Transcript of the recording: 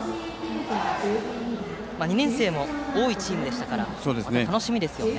２年生も多いチームでしたからまた楽しみですよね。